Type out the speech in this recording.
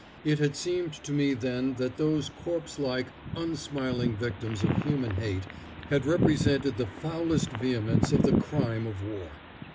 It had seemed to me then that those corpselike, unsmiling victims of human hate had represented the foulest vehemence of the crime of war.